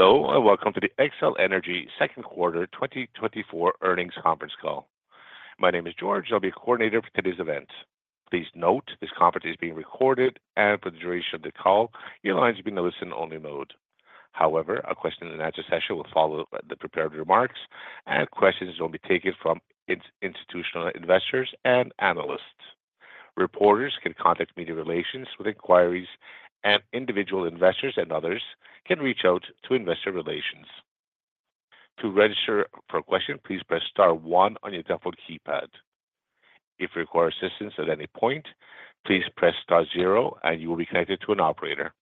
Hello, and welcome to the Xcel Energy Second Quarter 2024 Earnings Conference Call. My name is George. I'll be your coordinator for today's event. Please note this conference is being recorded, and for the duration of the call, your line is going to be in a listen-only mode. However, a question-and-answer session will follow the prepared remarks, and questions will be taken from institutional investors and analysts. Reporters can contact media relations with inquiries, and individual investors and others can reach out to investor relations. To register for a question, please press star one on your default keypad. If you require assistance at any point, please press star zero, and you will be connected to an operator.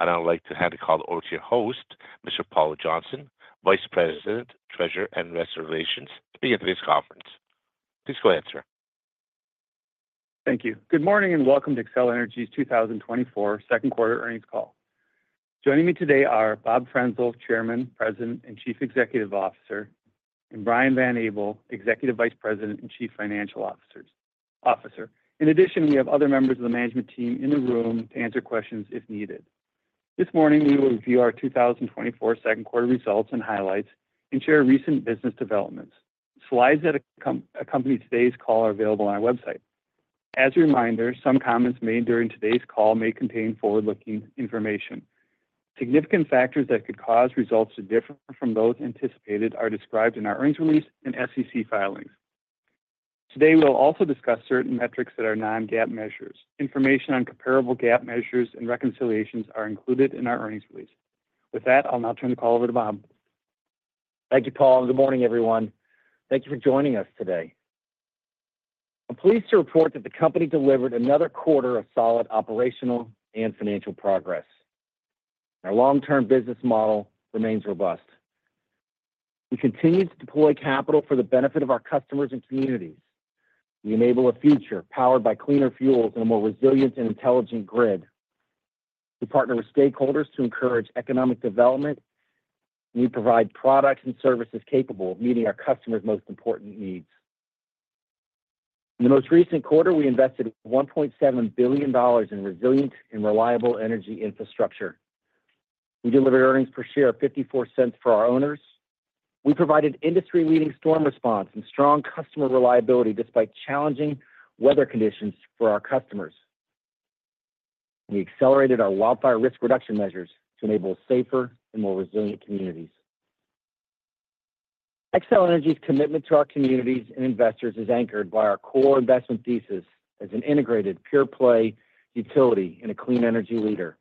I'd now like to hand the call over to your host, Mr. Paul Johnson, Vice President, Treasurer and Investor Relations, to begin today's conference. Please go ahead, sir. Thank you. Good morning and welcome to Xcel Energy's 2024 Second Quarter Earnings Call. Joining me today are Bob Frenzel, Chairman, President, and Chief Executive Officer, and Brian Van Abel, Executive Vice President and Chief Financial Officer. In addition, we have other members of the management team in the room to answer questions if needed. This morning, we will review our 2024 second quarter results and highlights and share recent business developments. Slides that accompany today's call are available on our website. As a reminder, some comments made during today's call may contain forward-looking information. Significant factors that could cause results to differ from those anticipated are described in our earnings release and SEC filings. Today, we'll also discuss certain metrics that are non-GAAP measures. Information on comparable GAAP measures and reconciliations is included in our earnings release. With that, I'll now turn the call over to Bob. Thank you, Paul. Good morning, everyone. Thank you for joining us today. I'm pleased to report that the company delivered another quarter of solid operational and financial progress. Our long-term business model remains robust. We continue to deploy capital for the benefit of our customers and communities. We enable a future powered by cleaner fuels and a more resilient and intelligent grid. We partner with stakeholders to encourage economic development, and we provide products and services capable of meeting our customers' most important needs. In the most recent quarter, we invested $1.7 billion in resilient and reliable energy infrastructure. We delivered earnings per share of $0.54 for our owners. We provided industry-leading storm response and strong customer reliability despite challenging weather conditions for our customers. We accelerated our wildfire risk reduction measures to enable safer and more resilient communities. Xcel Energy's commitment to our communities and investors is anchored by our core investment thesis as an integrated pure-play utility and a clean energy leader.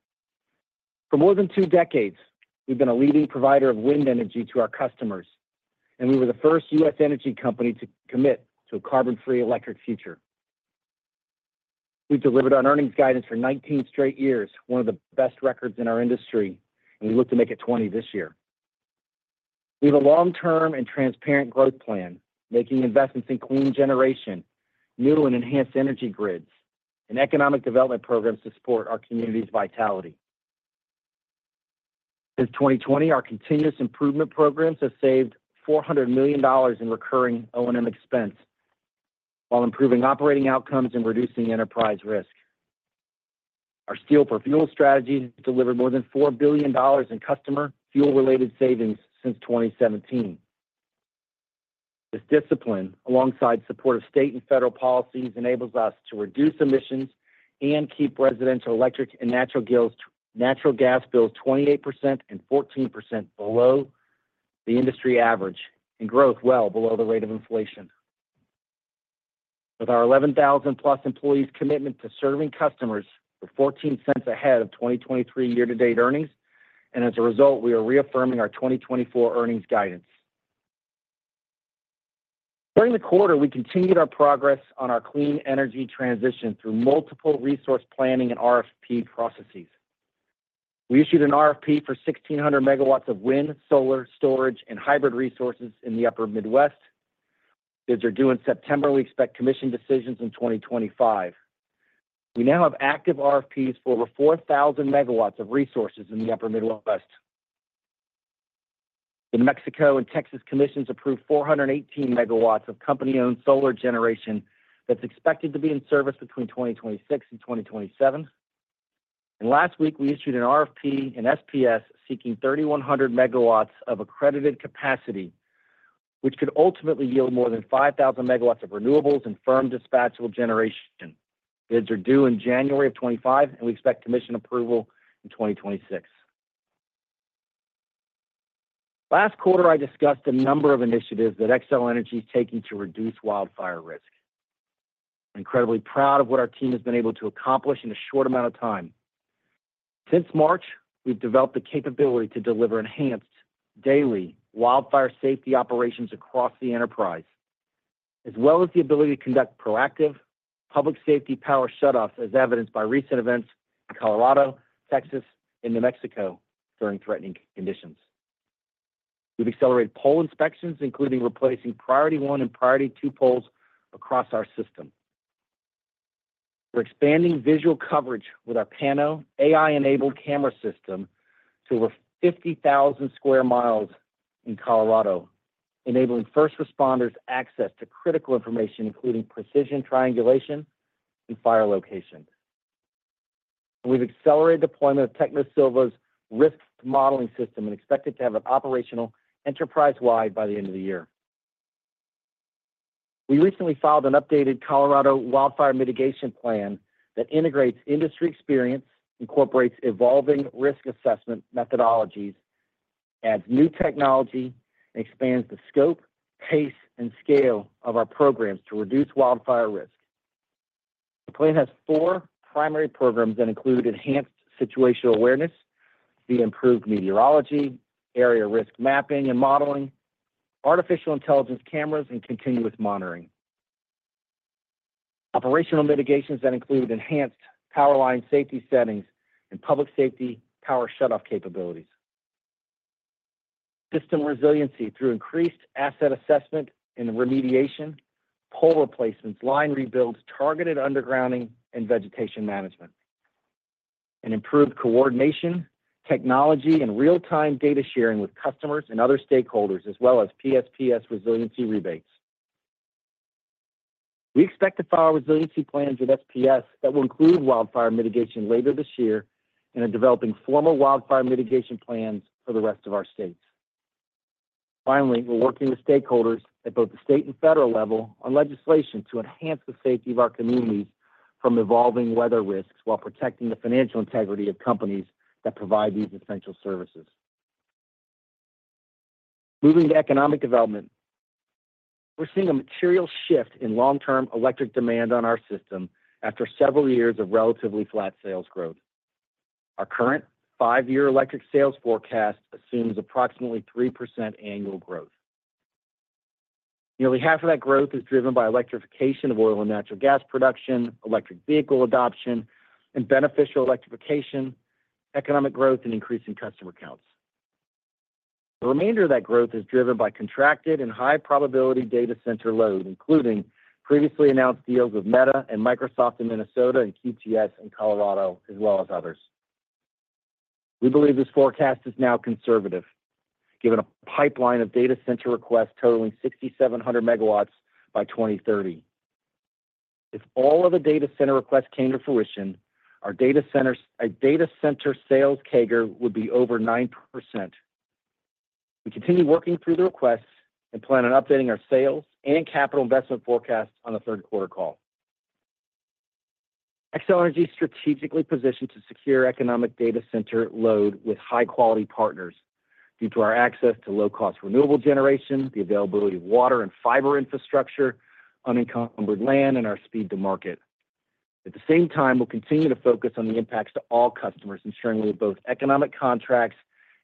For more than two decades, we've been a leading provider of wind energy to our customers, and we were the first U.S. energy company to commit to a carbon-free electric future. We've delivered on earnings guidance for 19 straight years, one of the best records in our industry, and we look to make it 20 this year. We have a long-term and transparent growth plan, making investments in clean generation, new and enhanced energy grids, and economic development programs to support our community's vitality. Since 2020, our continuous improvement programs have saved $400 million in recurring O&M expense while improving operating outcomes and reducing enterprise risk. Our steel for fuel strategy has delivered more than $4 billion in customer fuel-related savings since 2017. This discipline, alongside supportive state and federal policies, enables us to reduce emissions and keep residential electric and natural gas bills 28% and 14% below the industry average and growth well below the rate of inflation. With our 11,000-plus employees' commitment to serving customers with $0.14 ahead of 2023 year-to-date earnings, and as a result, we are reaffirming our 2024 earnings guidance. During the quarter, we continued our progress on our clean energy transition through multiple resource planning and RFP processes. We issued an RFP for 1,600 megawatts of wind, solar, storage, and hybrid resources in the Upper Midwest. Bids are due in September. We expect commission decisions in 2025. We now have active RFPs for over 4,000 megawatts of resources in the Upper Midwest. The New Mexico and Texas Commissions approved 418 megawatts of company-owned solar generation that's expected to be in service between 2026 and 2027. And last week, we issued an RFP in SPS seeking 3,100 megawatts of accredited capacity, which could ultimately yield more than 5,000 megawatts of renewables and firm dispatchable generation. Bids are due in January of 2025, and we expect commission approval in 2026. Last quarter, I discussed a number of initiatives that Xcel Energy is taking to reduce wildfire risk. I'm incredibly proud of what our team has been able to accomplish in a short amount of time. Since March, we've developed the capability to deliver enhanced daily wildfire safety operations across the enterprise, as well as the ability to conduct proactive public safety power shutoffs, as evidenced by recent events in Colorado, Texas, and New Mexico during threatening conditions. We've accelerated pole inspections, including replacing priority one and priority two poles across our system. We're expanding visual coverage with our Pano AI-enabled camera system to over 50,000 sq mi in Colorado, enabling first responders access to critical information, including precision triangulation and fire location. We've accelerated deployment of TechnoSylva's risk modeling system and expect it to have an operational enterprise-wide by the end of the year. We recently filed an updated Colorado wildfire mitigation plan that integrates industry experience, incorporates evolving risk assessment methodologies, adds new technology, and expands the scope, pace, and scale of our programs to reduce wildfire risk. The plan has four primary programs that include enhanced situational awareness, the improved meteorology, area risk mapping and modeling, artificial intelligence cameras, and continuous monitoring. Operational mitigations that include enhanced power line safety settings and public safety power shutoff capabilities. System resiliency through increased asset assessment and remediation, pole replacements, line rebuilds, targeted undergrounding, and vegetation management. Improved coordination, technology, and real-time data sharing with customers and other stakeholders, as well as PSPS resiliency rebates. We expect to file resiliency plans with SPS that will include wildfire mitigation later this year and are developing formal wildfire mitigation plans for the rest of our states. Finally, we're working with stakeholders at both the state and federal level on legislation to enhance the safety of our communities from evolving weather risks while protecting the financial integrity of companies that provide these essential services. Moving to economic development, we're seeing a material shift in long-term electric demand on our system after several years of relatively flat sales growth. Our current five-year electric sales forecast assumes approximately 3% annual growth. Nearly half of that growth is driven by electrification of oil and natural gas production, electric vehicle adoption, and beneficial electrification, economic growth, and increasing customer counts. The remainder of that growth is driven by contracted and high-probability data center load, including previously announced deals with Meta and Microsoft in Minnesota and QTS in Colorado, as well as others. We believe this forecast is now conservative, given a pipeline of data center requests totaling 6,700 megawatts by 2030. If all of the data center requests came to fruition, our data center sales CAGR would be over 9%. We continue working through the requests and plan on updating our sales and capital investment forecasts on the third quarter call. Xcel Energy is strategically positioned to secure economic data center load with high-quality partners due to our access to low-cost renewable generation, the availability of water and fiber infrastructure, unencumbered land, and our speed to market. At the same time, we'll continue to focus on the impacts to all customers, ensuring we have both economic contracts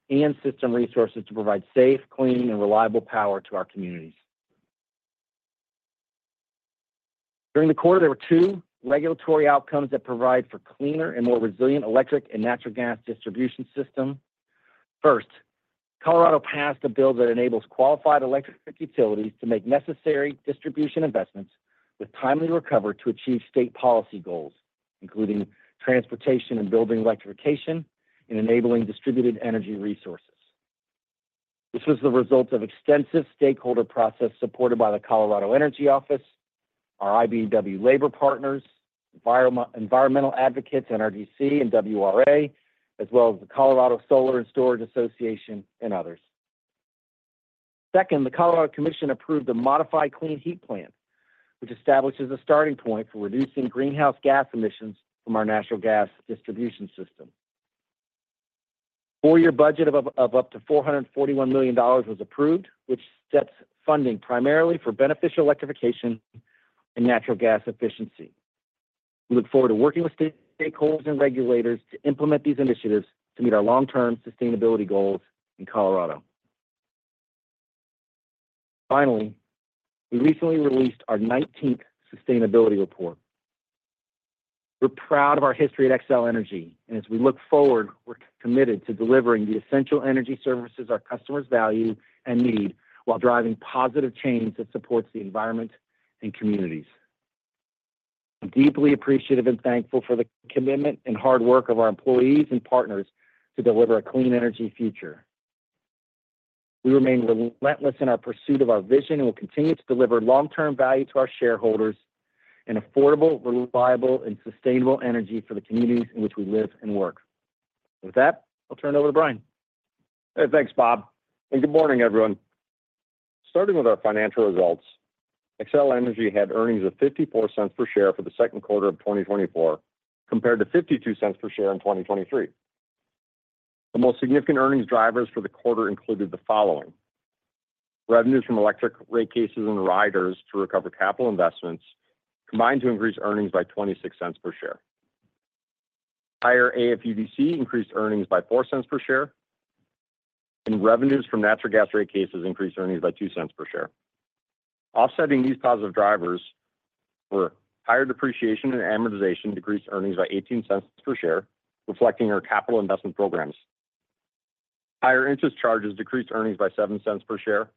and system resources to provide safe, clean, and reliable power to our communities. During the quarter, there were two regulatory outcomes that provide for cleaner and more resilient electric and natural gas distribution system. First, Colorado passed a bill that enables qualified electric utilities to make necessary distribution investments with timely recovery to achieve state policy goals, including transportation and building electrification and enabling distributed energy resources. This was the result of extensive stakeholder process supported by the Colorado Energy Office, our IBEW labor partners, environmental advocates at NRDC and WRA, as well as the Colorado Solar and Storage Association and others. Second, the Colorado Commission approved the Modified Clean Heat Plan, which establishes a starting point for reducing greenhouse gas emissions from our natural gas distribution system. A four-year budget of up to $441 million was approved, which sets funding primarily for beneficial electrification and natural gas efficiency. We look forward to working with stakeholders and regulators to implement these initiatives to meet our long-term sustainability goals in Colorado. Finally, we recently released our 19th sustainability report. We're proud of our history at Xcel Energy, and as we look forward, we're committed to delivering the essential energy services our customers value and need while driving positive change that supports the environment and communities. I'm deeply appreciative and thankful for the commitment and hard work of our employees and partners to deliver a clean energy future. We remain relentless in our pursuit of our vision and will continue to deliver long-term value to our shareholders and affordable, reliable, and sustainable energy for the communities in which we live and work. With that, I'll turn it over to Brian. Hey, thanks, Bob. Good morning, everyone. Starting with our financial results, Xcel Energy had earnings of $0.54 per share for the second quarter of 2024, compared to $0.52 per share in 2023. The most significant earnings drivers for the quarter included the following: revenues from electric rate cases and riders to recover capital investments combined to increase earnings by $0.26 per share. Higher AFUDC increased earnings by $0.04 per share, and revenues from natural gas rate cases increased earnings by $0.02 per share. Offsetting these positive drivers were higher depreciation and amortization decreased earnings by $0.18 per share, reflecting our capital investment programs. Higher interest charges decreased earnings by $0.07 per share.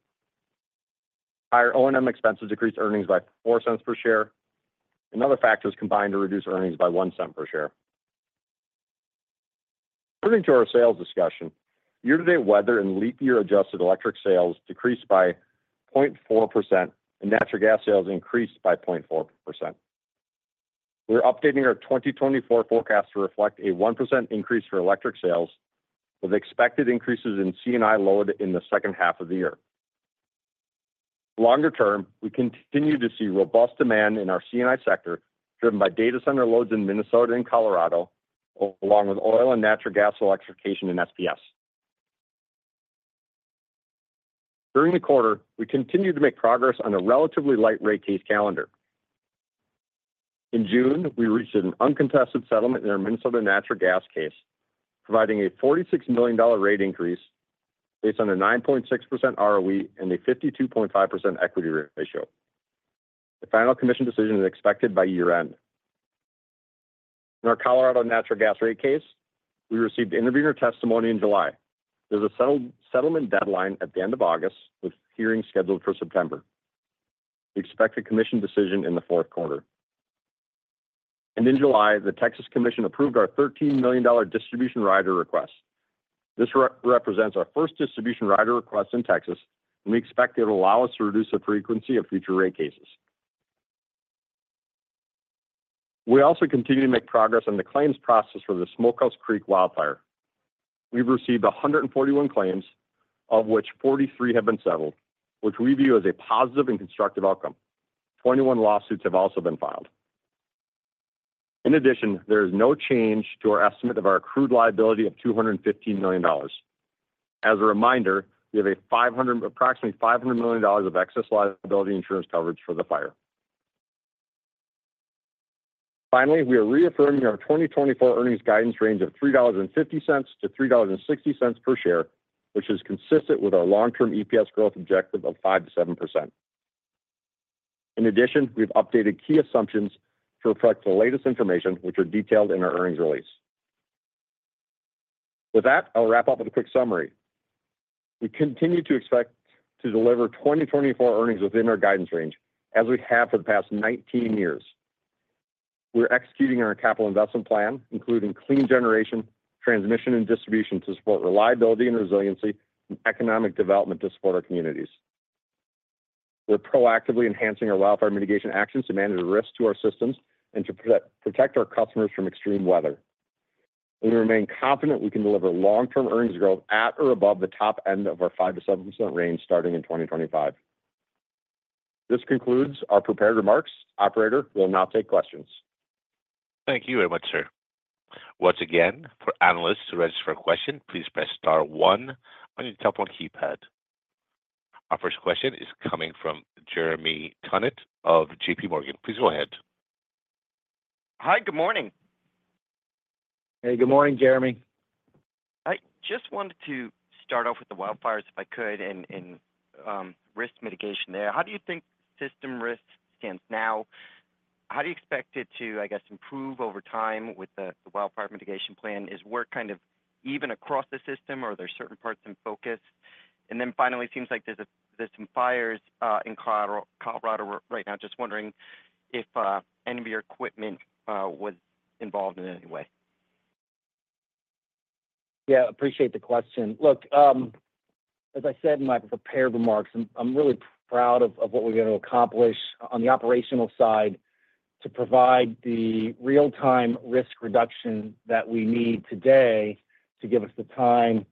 Higher O&M expenses decreased earnings by $0.04 per share. Other factors combined to reduce earnings by $0.01 per share. Turning to our sales discussion, year-to-date weather and leap year adjusted electric sales decreased by 0.4%, and natural gas sales increased by 0.4%. We're updating our 2024 forecast to reflect a 1% increase for electric sales, with expected increases in C&I load in the second half of the year. Longer term, we continue to see robust demand in our C&I sector, driven by data center loads in Minnesota and Colorado, along with oil and natural gas electrification in SPS. During the quarter, we continue to make progress on a relatively light rate case calendar. In June, we reached an uncontested settlement in our Minnesota natural gas case, providing a $46 million rate increase based on a 9.6% ROE and a 52.5% equity ratio. The final commission decision is expected by year-end. In our Colorado natural gas rate case, we received interrogatories and testimony in July. There's a settlement deadline at the end of August, with hearings scheduled for September. We expect a commission decision in the fourth quarter. In July, the Texas Commission approved our $13 million distribution rider request. This represents our first distribution rider request in Texas, and we expect it will allow us to reduce the frequency of future rate cases. We also continue to make progress on the claims process for the Smokehouse Creek wildfire. We've received 141 claims, of which 43 have been settled, which we view as a positive and constructive outcome. 21 lawsuits have also been filed. In addition, there is no change to our estimate of our accrued liability of $215 million. As a reminder, we have approximately $500 million of excess liability insurance coverage for the fire. Finally, we are reaffirming our 2024 earnings guidance range of $3.50-$3.60 per share, which is consistent with our long-term EPS growth objective of 5%-7%. In addition, we've updated key assumptions to reflect the latest information, which are detailed in our earnings release. With that, I'll wrap up with a quick summary. We continue to expect to deliver 2024 earnings within our guidance range, as we have for the past 19 years. We're executing our capital investment plan, including clean generation, transmission, and distribution to support reliability and resiliency and economic development to support our communities. We're proactively enhancing our wildfire mitigation actions to manage risk to our systems and to protect our customers from extreme weather. We remain confident we can deliver long-term earnings growth at or above the top end of our 5%-7% range starting in 2025. This concludes our prepared remarks. Operator will now take questions. Thank you very much, sir. Once again, for analysts to register for a question, please press star one on your telephone keypad. Our first question is coming from Jeremy Tonet of J.P. Morgan. Please go ahead. Hi, good morning. Hey, good morning, Jeremy. I just wanted to start off with the wildfires if I could and risk mitigation there. How do you think system risk stands now? How do you expect it to, I guess, improve over time with the wildfire mitigation plan? Is work kind of even across the system, or are there certain parts in focus? And then finally, it seems like there's some fires in Colorado right now. Just wondering if any of your equipment was involved in any way. Yeah, appreciate the question. Look, as I said in my prepared remarks, I'm really proud of what we're going to accomplish on the operational side to provide the real-time risk reduction that we need today to give us the time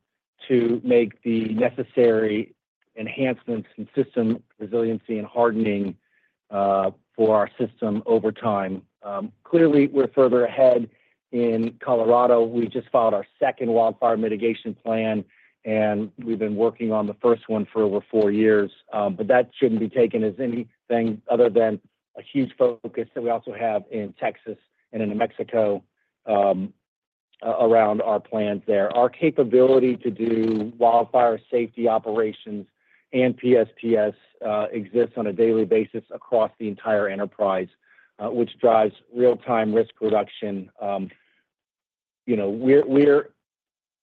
to make the necessary enhancements in system resiliency and hardening for our system over time. Clearly, we're further ahead in Colorado. We just filed our second wildfire mitigation plan, and we've been working on the first one for over four years. But that shouldn't be taken as anything other than a huge focus that we also have in Texas and in New Mexico around our plans there. Our capability to do wildfire safety operations and PSPS exists on a daily basis across the entire enterprise, which drives real-time risk reduction. We're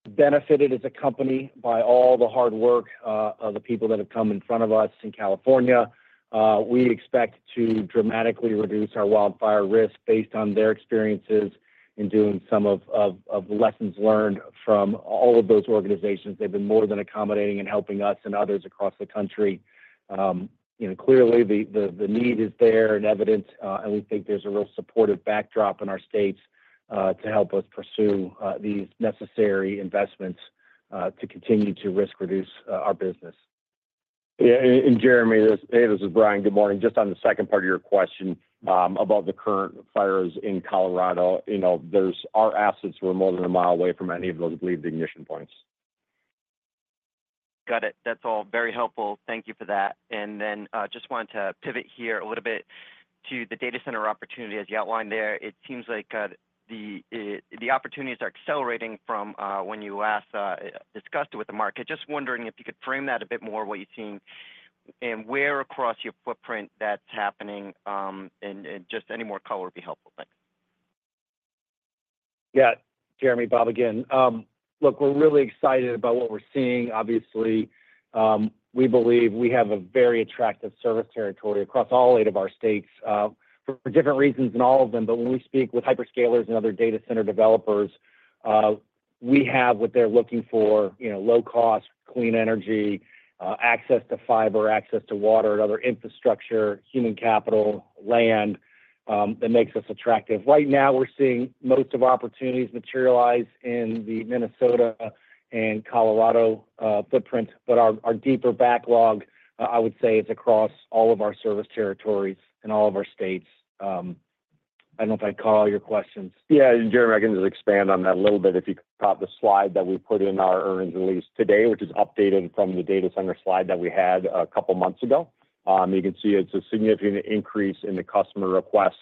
benefited as a company by all the hard work of the people that have come in front of us in California. We expect to dramatically reduce our wildfire risk based on their experiences in doing some of the lessons learned from all of those organizations. They've been more than accommodating and helping us and others across the country. Clearly, the need is there and evident, and we think there's a real supportive backdrop in our states to help us pursue these necessary investments to continue to risk-reduce our business. Yeah. And Jeremy, this is Brian. Good morning. Just on the second part of your question about the current fires in Colorado, our assets were more than a mile away from any of those bleeding ignition points. Got it. That's all very helpful. Thank you for that. And then just wanted to pivot here a little bit to the data center opportunity as you outlined there. It seems like the opportunities are accelerating from when you last discussed it with the market. Just wondering if you could frame that a bit more, what you're seeing and where across your footprint that's happening. And just any more color would be helpful. Thanks. Yeah. Jeremy, Bob, again, look, we're really excited about what we're seeing. Obviously, we believe we have a very attractive service territory across all eight of our states for different reasons than all of them. But when we speak with hyperscalers and other data center developers, we have what they're looking for: low-cost, clean energy, access to fiber, access to water, and other infrastructure, human capital, land that makes us attractive. Right now, we're seeing most of our opportunities materialize in the Minnesota and Colorado footprint, but our deeper backlog, I would say, is across all of our service territories and all of our states. I don't know if I'd call all your questions. Yeah. Jeremy, I can just expand on that a little bit. If you could pop the slide that we put in our earnings release today, which is updated from the data center slide that we had a couple of months ago, you can see it's a significant increase in the customer requests.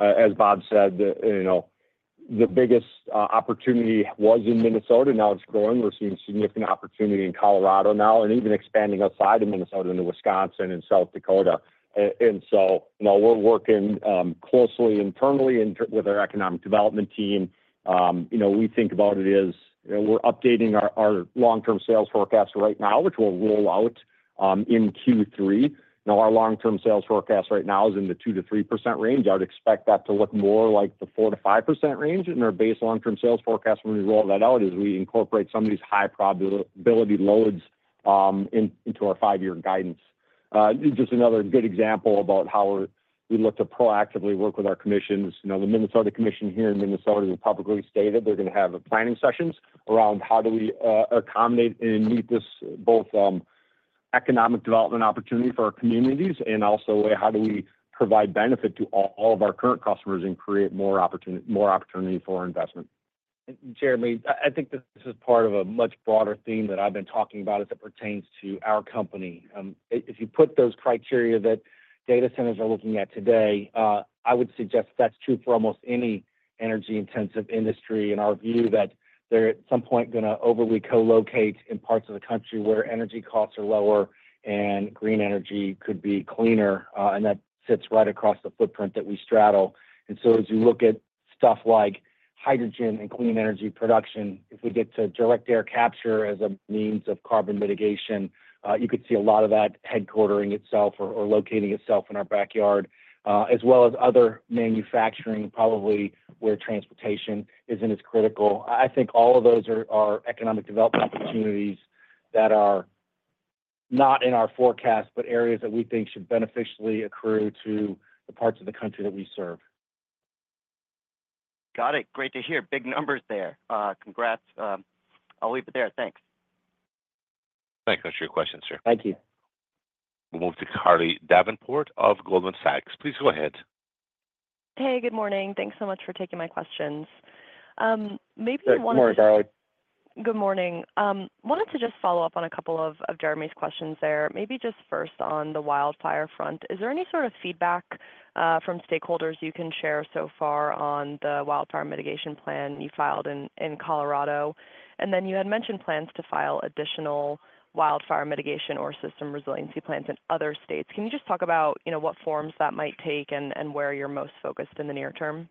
As Bob said, the biggest opportunity was in Minnesota. Now it's growing. We're seeing significant opportunity in Colorado now and even expanding outside of Minnesota into Wisconsin and South Dakota. And so we're working closely internally with our economic development team. We think about it as we're updating our long-term sales forecast right now, which we'll roll out in Q3. Now, our long-term sales forecast right now is in the 2%-3% range. I would expect that to look more like the 4%-5% range. Our base long-term sales forecast when we roll that out is we incorporate some of these high-probability loads into our five-year guidance. Just another good example about how we look to proactively work with our commissions. The Minnesota Commission here in Minnesota has publicly stated they're going to have planning sessions around how do we accommodate and meet this both economic development opportunity for our communities and also how do we provide benefit to all of our current customers and create more opportunity for investment. Jeremy, I think this is part of a much broader theme that I've been talking about as it pertains to our company. If you put those criteria that data centers are looking at today, I would suggest that's true for almost any energy-intensive industry in our view that they're at some point going to overly co-locate in parts of the country where energy costs are lower and green energy could be cleaner. And that sits right across the footprint that we straddle. And so as you look at stuff like hydrogen and clean energy production, if we get to direct air capture as a means of carbon mitigation, you could see a lot of that headquartering itself or locating itself in our backyard, as well as other manufacturing, probably where transportation isn't as critical. I think all of those are economic development opportunities that are not in our forecast, but areas that we think should beneficially accrue to the parts of the country that we serve. Got it. Great to hear. Big numbers there. Congrats. I'll leave it there. Thanks. Thanks. That's your question, sir. Thank you. We'll move to Carly Davenport of Goldman Sachs. Please go ahead. Hey, good morning. Thanks so much for taking my questions. Maybe I wanted to. Good morning, Carly. Good morning. Wanted to just follow up on a couple of Jeremy's questions there. Maybe just first on the wildfire front, is there any sort of feedback from stakeholders you can share so far on the wildfire mitigation plan you filed in Colorado? And then you had mentioned plans to file additional wildfire mitigation or system resiliency plans in other states. Can you just talk about what forms that might take and where you're most focused in the near term?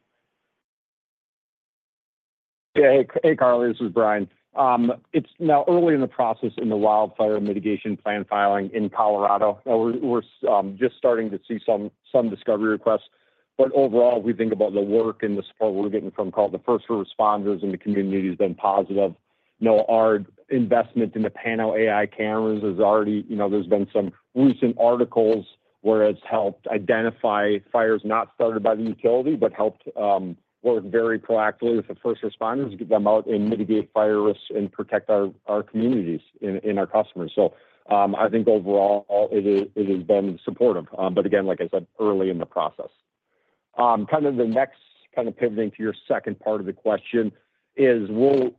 Yeah. Hey, Carly. This is Brian. It's now early in the process in the wildfire mitigation plan filing in Colorado. Now, we're just starting to see some discovery requests. But overall, if we think about the work and the support we're getting from the first responders and the community has been positive. Our investment in the Pano AI cameras has already. There's been some recent articles where it's helped identify fires not started by the utility but helped work very proactively with the first responders, get them out and mitigate fire risk and protect our communities and our customers. So I think overall, it has been supportive. But again, like I said, early in the process. Kind of the next kind of pivoting to your second part of the question is, we're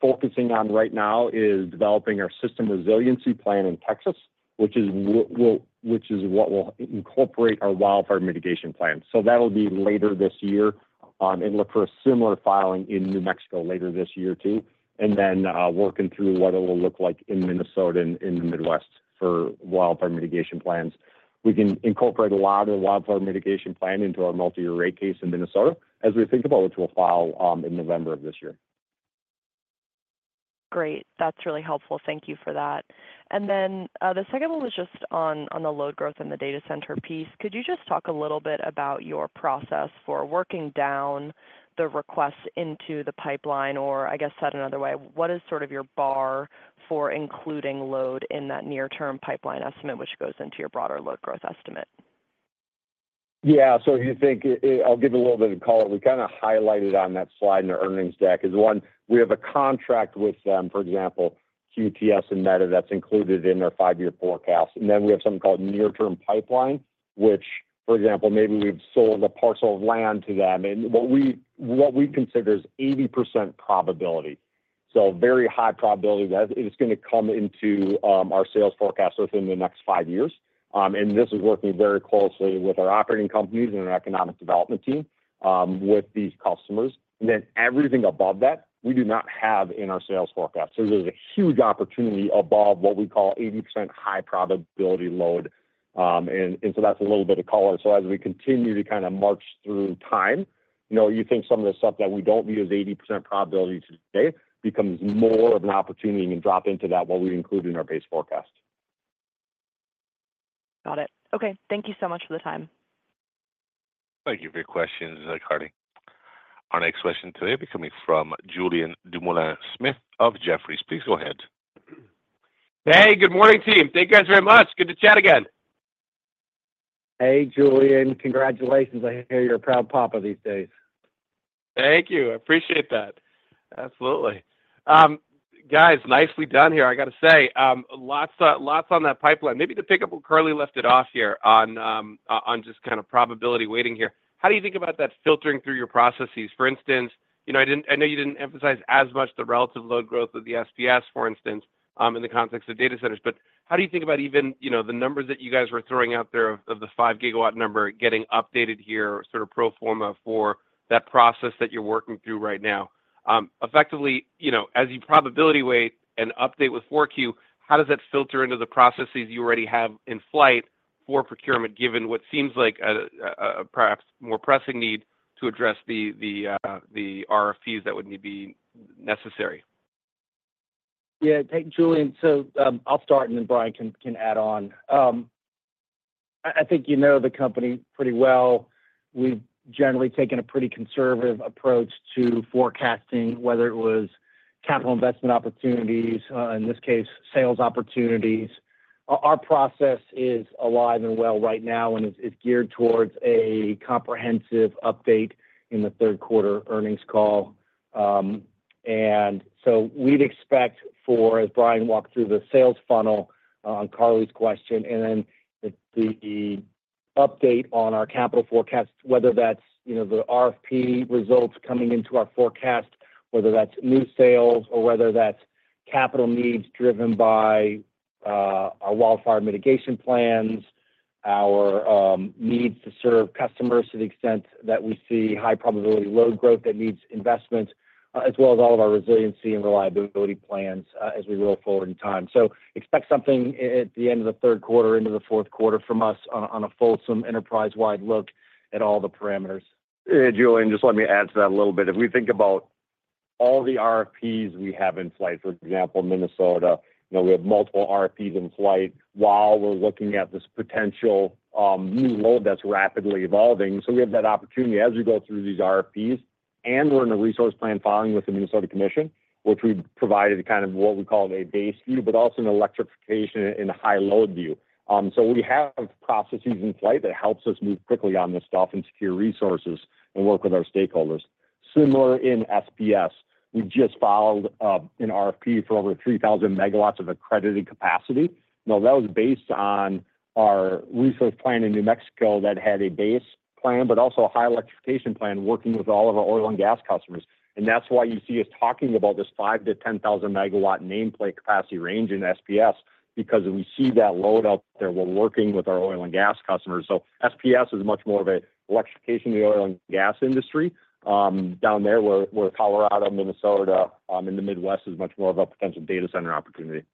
focusing on right now is developing our system resiliency plan in Texas, which is what will incorporate our wildfire mitigation plan. So that'll be later this year. Look for a similar filing in New Mexico later this year too. Then working through what it will look like in Minnesota and in the Midwest for wildfire mitigation plans. We can incorporate a lot of the wildfire mitigation plan into our multi-year rate case in Minnesota as we think about which we'll file in November of this year. Great. That's really helpful. Thank you for that. And then the second one was just on the load growth and the data center piece. Could you just talk a little bit about your process for working down the requests into the pipeline? Or I guess said another way, what is sort of your bar for including load in that near-term pipeline estimate, which goes into your broader load growth estimate? Yeah. So if you think, I'll give it a little bit of color. We kind of highlighted on that slide in the earnings deck is one, we have a contract with them, for example, QTS and Meta, that's included in their 5-year forecast. And then we have something called near-term pipeline, which, for example, maybe we've sold a parcel of land to them. And what we consider is 80% probability. So very high probability that it's going to come into our sales forecast within the next 5 years. And this is working very closely with our operating companies and our economic development team with these customers. And then everything above that, we do not have in our sales forecast. So there's a huge opportunity above what we call 80% high probability load. And so that's a little bit of color. So as we continue to kind of march through time, you think some of the stuff that we don't view as 80% probability today becomes more of an opportunity and can drop into that while we include in our base forecast. Got it. Okay. Thank you so much for the time. Thank you for your questions, Carly. Our next question today will be coming from Julien Dumoulin-Smith of Jefferies. Please go ahead. Hey, good morning, team. Thank you guys very much. Good to chat again. Hey, Julien. Congratulations. I hear you're a proud papa these days. Thank you. I appreciate that. Absolutely. Guys, nicely done here, I got to say. Lots on that pipeline. Maybe to pick up where Carly left it off here on just kind of probability weighting here. How do you think about that filtering through your processes? For instance, I know you didn't emphasize as much the relative load growth of the SPS, for instance, in the context of data centers. But how do you think about even the numbers that you guys were throwing out there of the 5-gigawatt number getting updated here, sort of pro forma for that process that you're working through right now? Effectively, as you probability-weight an update with 4Q, how does that filter into the processes you already have in flight for procurement given what seems like a perhaps more pressing need to address the RFPs that would be necessary? Yeah. Thank you, Julien. So I'll start, and then Brian can add on. I think you know the company pretty well. We've generally taken a pretty conservative approach to forecasting, whether it was capital investment opportunities, in this case, sales opportunities. Our process is alive and well right now and is geared towards a comprehensive update in the third quarter earnings call. And so we'd expect for, as Brian walked through the sales funnel on Carly's question, and then the update on our capital forecast, whether that's the RFP results coming into our forecast, whether that's new sales, or whether that's capital needs driven by our wildfire mitigation plans, our needs to serve customers to the extent that we see high-probability load growth that needs investment, as well as all of our resiliency and reliability plans as we roll forward in time. Expect something at the end of the third quarter, end of the fourth quarter from us on a fulsome enterprise-wide look at all the parameters. Yeah. Julien, just let me add to that a little bit. If we think about all the RFPs we have in flight, for example, Minnesota, we have multiple RFPs in flight while we're looking at this potential new load that's rapidly evolving. So we have that opportunity as we go through these RFPs. And we're in a resource plan filing with the Minnesota Commission, which we provided kind of what we call a base view, but also an electrification and high-load view. So we have processes in flight that help us move quickly on this stuff and secure resources and work with our stakeholders. Similar in SPS, we just filed an RFP for over 3,000 megawatts of accredited capacity. Now, that was based on our resource plan in New Mexico that had a base plan, but also a high electrification plan working with all of our oil and gas customers. That's why you see us talking about this 5,000-10,000 MW nameplate capacity range in SPS, because we see that load out there while working with our oil and gas customers. SPS is much more of an electrification of the oil and gas industry. Down there, where Colorado, Minnesota, and the Midwest is much more of a potential data center opportunity.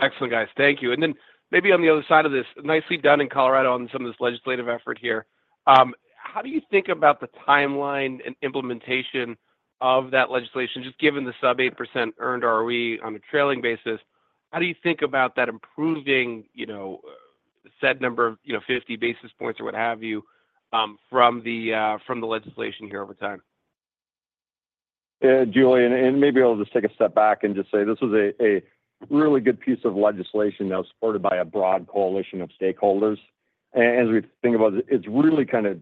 Excellent, guys. Thank you. And then maybe on the other side of this, nicely done in Colorado on some of this legislative effort here. How do you think about the timeline and implementation of that legislation? Just given the sub 8% earned ROE on a trailing basis, how do you think about that improving said number of 50 basis points or what have you from the legislation here over time? Yeah, Julian. And maybe I'll just take a step back and just say this was a really good piece of legislation that was supported by a broad coalition of stakeholders. And as we think about it, it's really kind of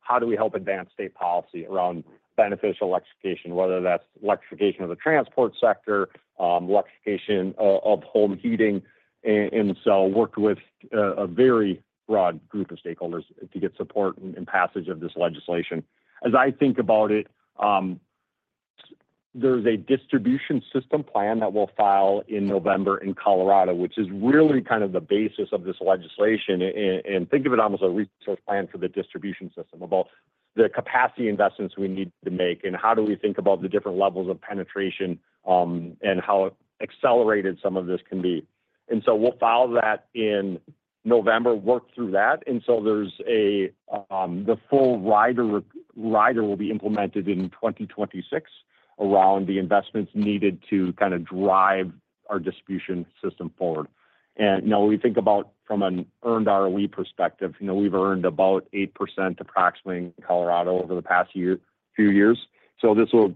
how do we help advance state policy around beneficial electrification, whether that's electrification of the transport sector, electrification of home heating. And so worked with a very broad group of stakeholders to get support and passage of this legislation. As I think about it, there's a distribution system plan that we'll file in November in Colorado, which is really kind of the basis of this legislation. And think of it almost as a resource plan for the distribution system about the capacity investments we need to make and how do we think about the different levels of penetration and how accelerated some of this can be. And so we'll file that in November, work through that. And so there's the full rider will be implemented in 2026 around the investments needed to kind of drive our distribution system forward. And now we think about from an earned ROE perspective, we've earned about 8% approximately in Colorado over the past few years. So this will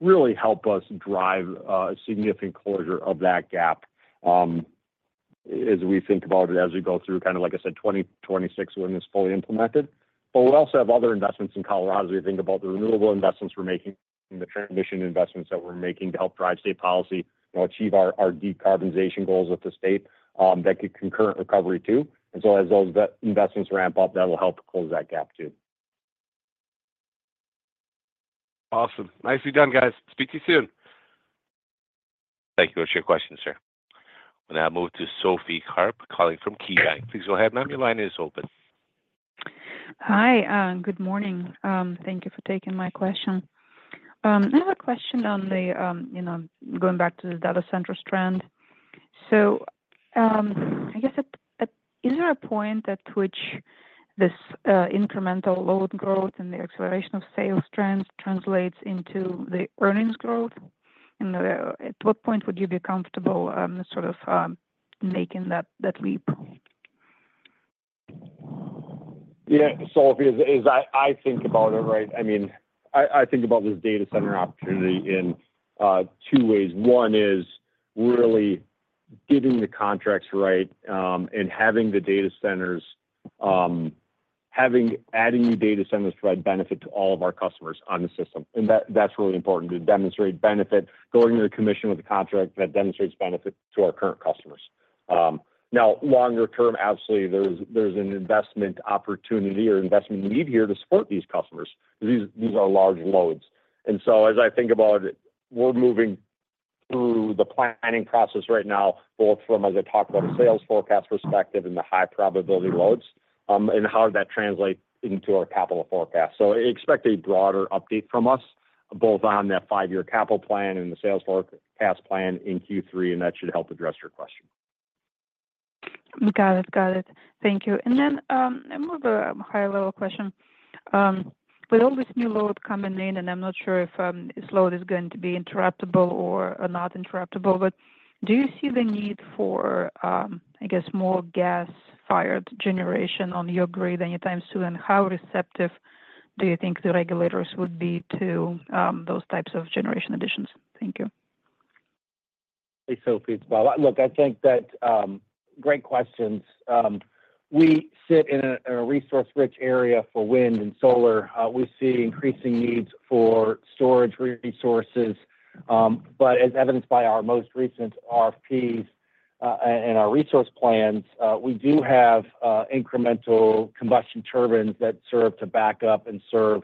really help us drive a significant closure of that gap as we think about it as we go through kind of, like I said, 2026 when it's fully implemented. But we also have other investments in Colorado as we think about the renewable investments we're making, the transition investments that we're making to help drive state policy, achieve our decarbonization goals with the state that could concur recovery too. And so as those investments ramp up, that'll help close that gap too. Awesome. Nicely done, guys. Speak to you soon. Thank you for your question, sir. We'll now move to Sophie Karp, colleague from KeyBanc. Please go ahead, ma'am. Your line is open. Hi. Good morning. Thank you for taking my question. I have a question on the going back to the data center strand. So I guess is there a point at which this incremental load growth and the acceleration of sales trends translates into the earnings growth? At what point would you be comfortable sort of making that leap? Yeah. Sophie, as I think about it, right, I mean, I think about this data center opportunity in two ways. One is really getting the contracts right and having the data centers adding new data centers to provide benefit to all of our customers on the system. And that's really important to demonstrate benefit going to the commission with a contract that demonstrates benefit to our current customers. Now, longer term, absolutely, there's an investment opportunity or investment need here to support these customers. These are large loads. And so as I think about it, we're moving through the planning process right now, both from, as I talked about, the sales forecast perspective and the high-probability loads and how that translates into our capital forecast. Expect a broader update from us both on that 5-year capital plan and the sales forecast plan in Q3, and that should help address your question. Got it. Got it. Thank you. And then I move a higher-level question. With all this new load coming in, and I'm not sure if this load is going to be interruptible or not interruptible, but do you see the need for, I guess, more gas-fired generation on your grid anytime soon? And how receptive do you think the regulators would be to those types of generation additions? Thank you. Hey, Sophie. Well, look, I think that's a great question. We sit in a resource-rich area for wind and solar. We see increasing needs for storage resources. But as evidenced by our most recent RFPs and our resource plans, we do have incremental combustion turbines that serve to back up and serve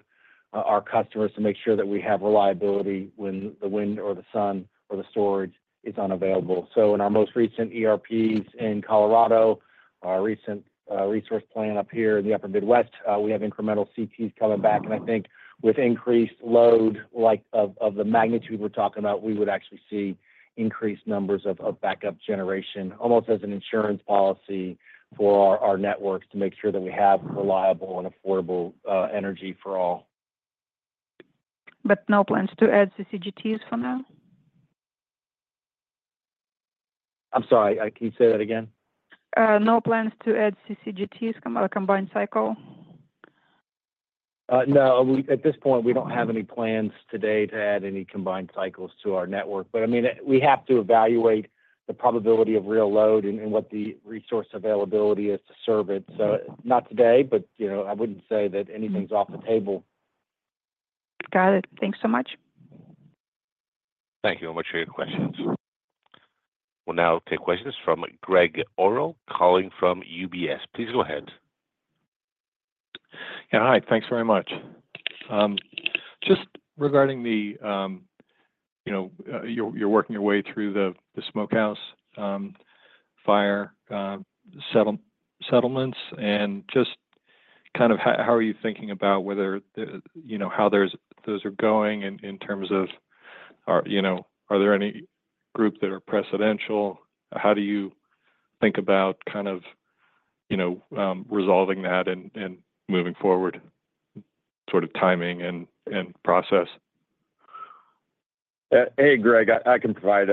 our customers to make sure that we have reliability when the wind or the sun or the storage is unavailable. So in our most recent RFPs in Colorado, our recent resource plan up here in the upper Midwest, we have incremental CTs coming back. And I think with increased load of the magnitude we're talking about, we would actually see increased numbers of backup generation, almost as an insurance policy for our networks to make sure that we have reliable and affordable energy for all. No plans to add CCGTs for now? I'm sorry. Can you say that again? No plans to add CCGTs, combined cycle? No. At this point, we don't have any plans today to add any combined cycles to our network. But I mean, we have to evaluate the probability of real load and what the resource availability is to serve it. So not today, but I wouldn't say that anything's off the table. Got it. Thanks so much. Thank you very much for your questions. We'll now take questions from Gregg Orrill calling from UBS. Please go ahead. Yeah. Hi. Thanks very much. Just regarding your working your way through the Smokehouse Fire settlements and just kind of how are you thinking about whether how those are going in terms of are there any groups that are precedential? How do you think about kind of resolving that and moving forward, sort of timing and process? Hey, Gregg, I can provide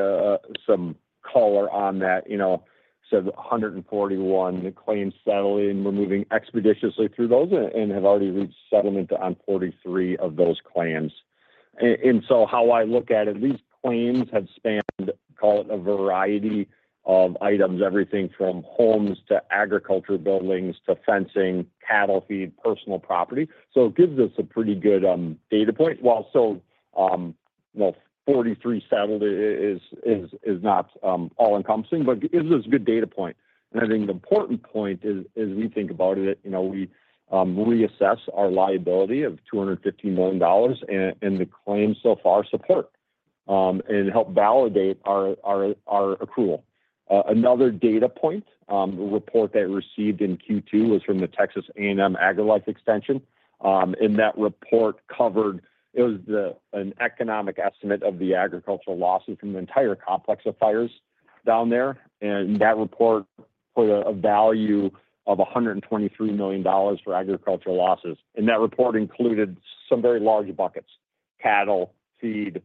some color on that. So 141 claims settled, and we're moving expeditiously through those and have already reached settlement on 43 of those claims. And so how I look at it, these claims have spanned, call it a variety of items, everything from homes to agriculture buildings to fencing, cattle feed, personal property. So it gives us a pretty good data point. While still 43 settled is not all-encompassing, but it gives us a good data point. And I think the important point is we think about it, we reassess our liability of $250 million and the claims so far support and help validate our accrual. Another data point, the report that we received in Q2 was from the Texas A&M AgriLife Extension. And that report covered it was an economic estimate of the agricultural losses from the entire complex of fires down there. That report put a value of $123 million for agricultural losses. That report included some very large buckets: cattle, feed,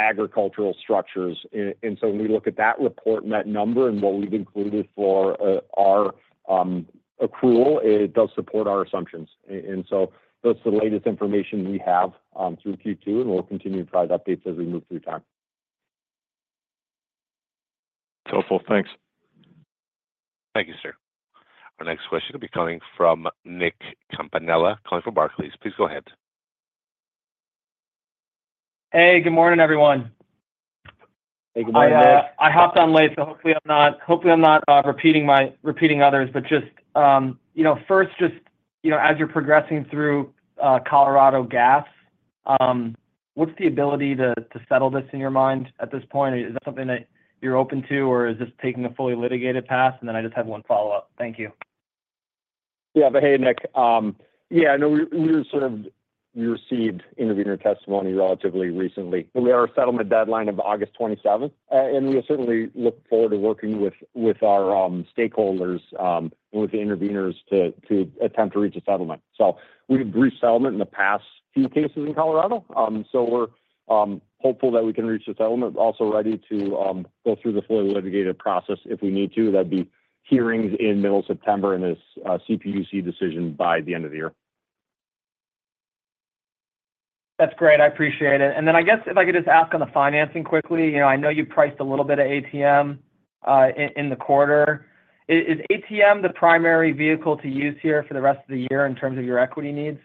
agricultural structures. When we look at that report and that number and what we've included for our accrual, it does support our assumptions. That's the latest information we have through Q2, and we'll continue to provide updates as we move through time. Helpful. Thanks. Thank you, sir. Our next question will be coming from Nick Campanella calling from Barclays. Please go ahead. Hey. Good morning, everyone. Hey. Good morning, Nick. I hopped on late, so hopefully I'm not repeating others. But just first, just as you're progressing through Colorado Gas, what's the ability to settle this in your mind at this point? Is that something that you're open to, or is this taking a fully litigated path? And then I just have one follow-up. Thank you. Yeah. But hey, Nick. Yeah. We received intervenor testimony relatively recently. Our settlement deadline of August 27th. We certainly look forward to working with our stakeholders and with the intervenors to attempt to reach a settlement. We've reached settlement in the past few cases in Colorado. We're hopeful that we can reach a settlement, also ready to go through the fully litigated process if we need to. That'd be hearings in middle September and this CPUC decision by the end of the year. That's great. I appreciate it. And then I guess if I could just ask on the financing quickly, I know you priced a little bit of ATM in the quarter. Is ATM the primary vehicle to use here for the rest of the year in terms of your equity needs?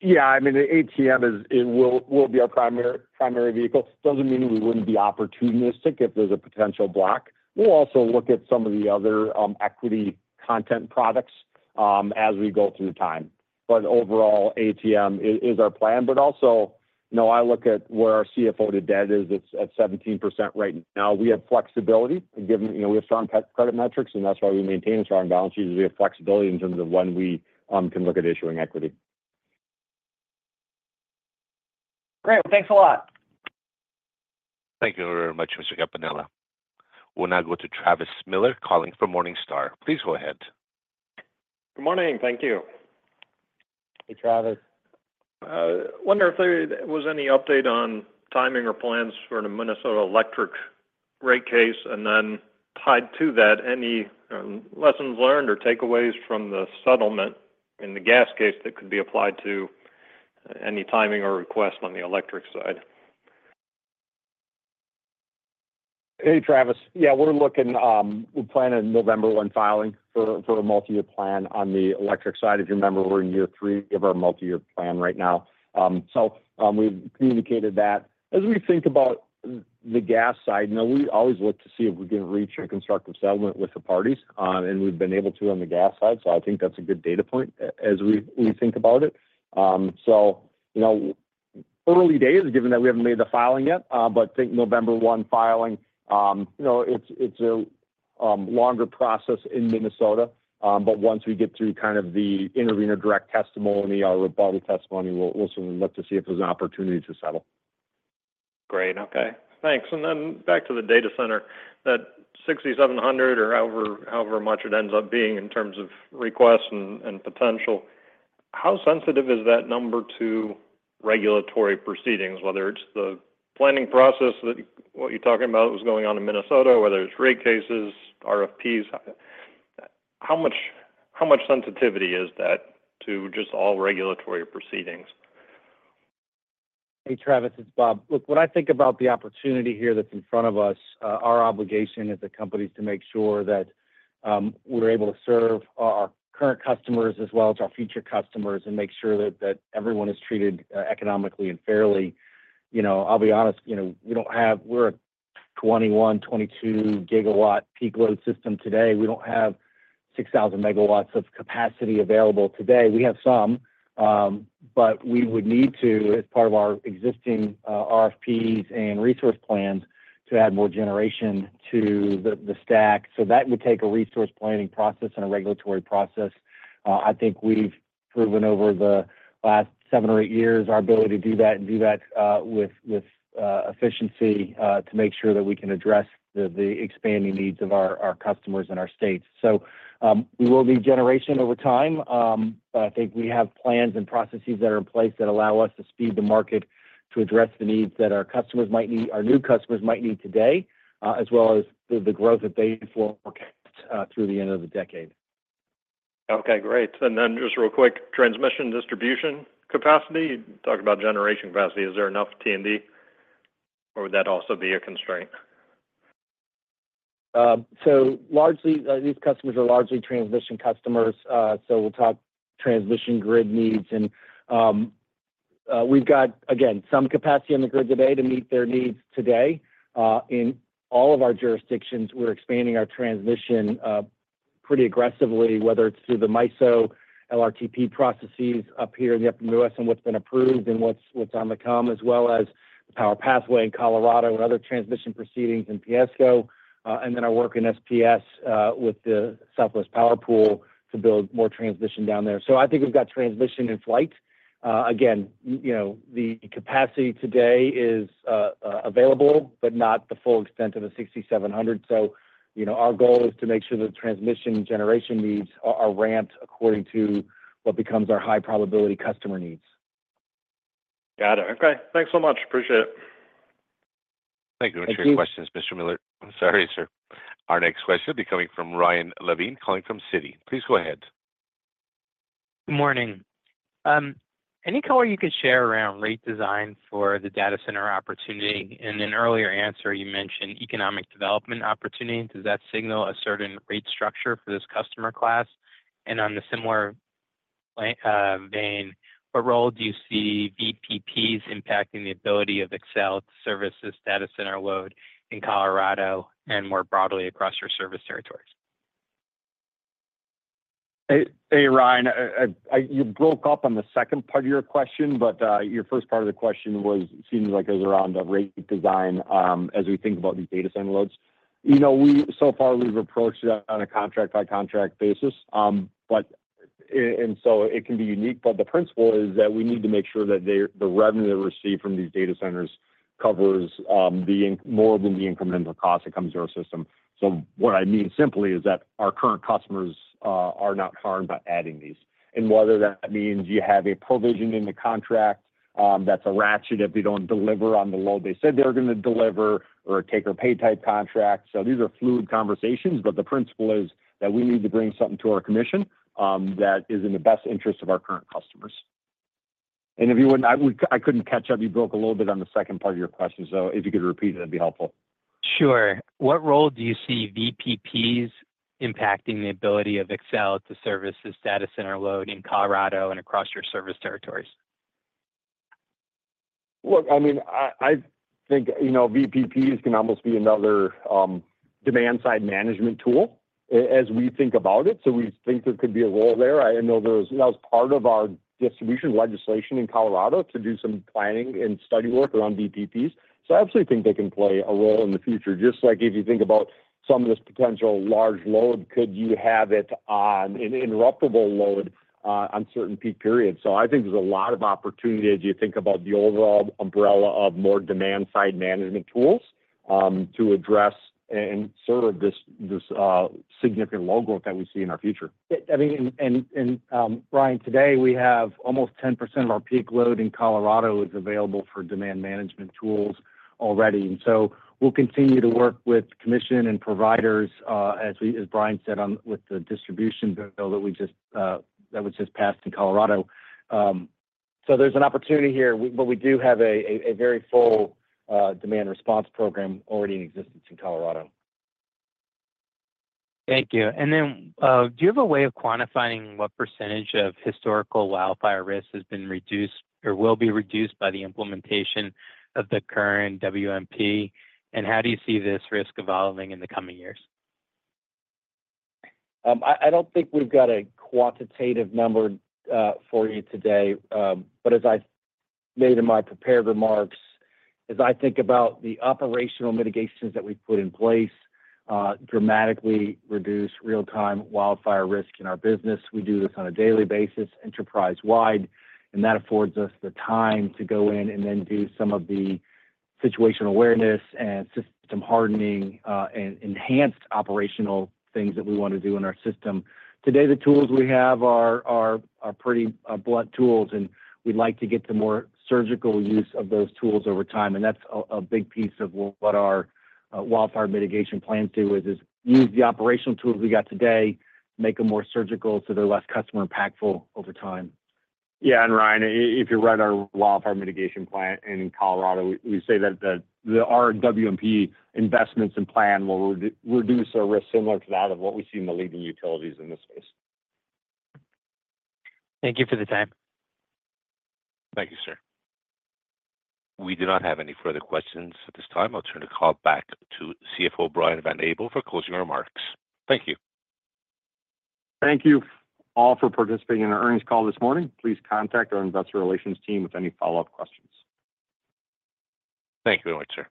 Yeah. I mean, the ATM will be our primary vehicle. Doesn't mean we wouldn't be opportunistic if there's a potential block. We'll also look at some of the other equity content products as we go through time. But overall, ATM is our plan. But also, I look at where our CFO to debt is. It's at 17% right now. We have flexibility. We have strong credit metrics, and that's why we maintain a strong balance sheet. We have flexibility in terms of when we can look at issuing equity. Great. Well, thanks a lot. Thank you very much, Mr. Campanella. We'll now go to Travis Miller calling from Morningstar. Please go ahead. Good morning. Thank you. Hey, Travis. I wonder if there was any update on timing or plans for the Minnesota Electric rate case? And then tied to that, any lessons learned or takeaways from the settlement in the gas case that could be applied to any timing or request on the electric side? Hey, Travis. Yeah. We're planning November 1 filing for a multi-year plan on the electric side. If you remember, we're in year three of our multi-year plan right now. So we've communicated that. As we think about the gas side, we always look to see if we can reach a constructive settlement with the parties. And we've been able to on the gas side. So I think that's a good data point as we think about it. So early days, given that we haven't made the filing yet, but think November 1 filing. It's a longer process in Minnesota. But once we get through kind of the intervenor direct testimony or rebuttal testimony, we'll certainly look to see if there's an opportunity to settle. Great. Okay. Thanks. And then back to the data center, that 6,700 or however much it ends up being in terms of requests and potential, how sensitive is that number to regulatory proceedings, whether it's the planning process that what you're talking about was going on in Minnesota, whether it's rate cases, RFPs? How much sensitivity is that to just all regulatory proceedings? Hey, Travis. It's Bob. Look, when I think about the opportunity here that's in front of us, our obligation as a company is to make sure that we're able to serve our current customers as well as our future customers and make sure that everyone is treated economically and fairly. I'll be honest, we don't have. We're a 21-22 gigawatt peak load system today. We don't have 6,000 megawatts of capacity available today. We have some, but we would need to, as part of our existing RFPs and resource plans, to add more generation to the stack. So that would take a resource planning process and a regulatory process. I think we've proven over the last 7 or 8 years our ability to do that and do that with efficiency to make sure that we can address the expanding needs of our customers and our states. We will need generation over time. But I think we have plans and processes that are in place that allow us to speed the market to address the needs that our customers might need, our new customers might need today, as well as the growth that they forecast through the end of the decade. Okay. Great. And then just real quick, transmission distribution capacity. You talk about generation capacity. Is there enough T&D, or would that also be a constraint? So these customers are largely transmission customers. So we'll talk transmission grid needs. And we've got, again, some capacity on the grid today to meet their needs today. In all of our jurisdictions, we're expanding our transmission pretty aggressively, whether it's through the MISO LRTP processes up here in the upper Midwest and what's been approved and what's on the come, as well as the Power Pathway in Colorado and other transmission proceedings in PSCo. And then our work in SPS with the Southwest Power Pool to build more transmission down there. So I think we've got transmission in flight. Again, the capacity today is available, but not the full extent of a 6,700. So our goal is to make sure that the transmission generation needs are ramped according to what becomes our high-probability customer needs. Got it. Okay. Thanks so much. Appreciate it. Thank you. We'll take questions, Mr. Miller. Sorry, sir. Our next question will be coming from Ryan Levine calling from Citi. Please go ahead. Good morning. Any color you could share around rate design for the data center opportunity? In an earlier answer, you mentioned economic development opportunities. Does that signal a certain rate structure for this customer class? And on a similar vein, what role do you see VPPs impacting the ability of Xcel to service this data center load in Colorado and more broadly across your service territories? Hey, Ryan. You broke up on the second part of your question, but your first part of the question seems like it was around rate design as we think about these data center loads. So far, we've approached it on a contract-by-contract basis. And so it can be unique. But the principle is that we need to make sure that the revenue that we receive from these data centers covers more than the incremental cost that comes to our system. So what I mean simply is that our current customers are not harmed by adding these. And whether that means you have a provision in the contract that's a ratchet if they don't deliver on the load they said they were going to deliver or a take-or-pay type contract. So these are fluid conversations. But the principle is that we need to bring something to our commission that is in the best interest of our current customers. And if you wouldn't, I couldn't catch up. You broke a little bit on the second part of your question. So if you could repeat it, that'd be helpful. Sure. What role do you see VPPs impacting the ability of Xcel to service this data center load in Colorado and across your service territories? Look, I mean, I think VPPs can almost be another demand-side management tool as we think about it. So we think there could be a role there. I know that was part of our distribution legislation in Colorado to do some planning and study work around VPPs. So I absolutely think they can play a role in the future. Just like if you think about some of this potential large load, could you have it on an interruptible load on certain peak periods? So I think there's a lot of opportunity as you think about the overall umbrella of more demand-side management tools to address and serve this significant load growth that we see in our future. I mean, and Ryan, today, we have almost 10% of our peak load in Colorado that's available for demand management tools already. And so we'll continue to work with commission and providers, as Brian said, with the distribution bill that was just passed in Colorado. So there's an opportunity here. But we do have a very full demand response program already in existence in Colorado. Thank you. Then do you have a way of quantifying what percentage of historical wildfire risk has been reduced or will be reduced by the implementation of the current WMP? And how do you see this risk evolving in the coming years? I don't think we've got a quantitative number for you today. But as I made in my prepared remarks, as I think about the operational mitigations that we've put in place, dramatically reduce real-time wildfire risk in our business. We do this on a daily basis, enterprise-wide. And that affords us the time to go in and then do some of the situational awareness and system hardening and enhanced operational things that we want to do in our system. Today, the tools we have are pretty blunt tools. And we'd like to get to more surgical use of those tools over time. And that's a big piece of what our wildfire mitigation plans do is use the operational tools we got today, make them more surgical so they're less customer-impactful over time. Yeah. And Ryan, if you read our wildfire mitigation plan in Colorado, we say that our WMP investments and plan will reduce our risk similar to that of what we see in the leading utilities in this space. Thank you for the time. Thank you, sir. We do not have any further questions at this time. I'll turn the call back to CFO Brian Van Abel for closing remarks. Thank you. Thank you all for participating in our earnings call this morning. Please contact our investor relations team with any follow-up questions. Thank you very much, sir.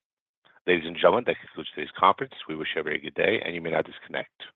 Ladies and gentlemen, that concludes today's conference. We wish you a very good day, and you may now disconnect.